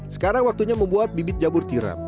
sekarang waktunya membuat bibit jamur tiram